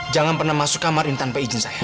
jangan pernah masuk kamar ini tanpa izin saya